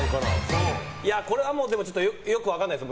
これはよく分からないです。